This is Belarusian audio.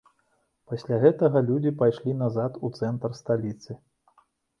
Пасля гэтага людзі пайшлі назад у цэнтр сталіцы.